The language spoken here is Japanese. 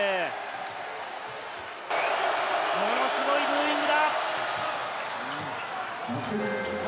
ものすごいブーイングだ。